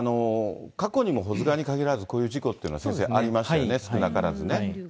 過去にも保津川に限らず、こういう事故っていうのは、先生、ありましたよね、少なからずね。